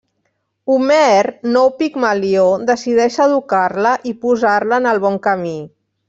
Homer, nou Pigmalió, decideix educar-la i posar-la en el bon camí.